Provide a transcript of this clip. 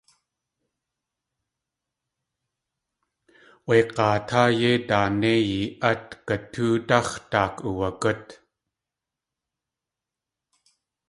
Wé g̲aatáa yéi daanéiyi at gutóodáx̲ daak uwagút.